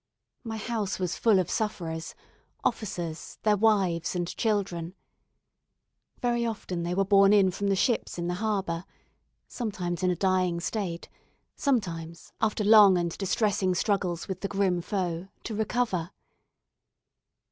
My house was full of sufferers officers, their wives and children. Very often they were borne in from the ships in the harbour sometimes in a dying state, sometimes after long and distressing struggles with the grim foe to recover.